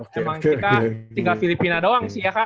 cuman tinggal filipina doang sih ya kak